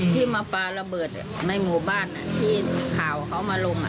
ที่มาปลาระเบิดในหมู่บ้านที่ข่าวเขามาลง